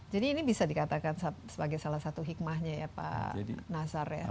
jadi ini bisa dikatakan sebagai salah satu hikmahnya ya pak nazar ya